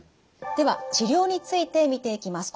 では治療について見ていきます。